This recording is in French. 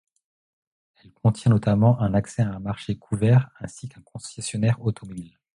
Elle contient notamment un accès à un marché couvert, ainsi qu'un concessionnaire automobile.